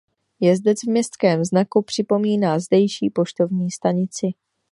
Jezdec v městském znaku připomíná zdejší poštovní stanici.